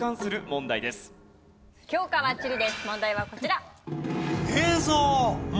問題はこちら。